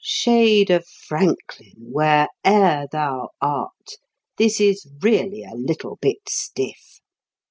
Shade of Franklin, where'er thou art, this is really a little bit stiff!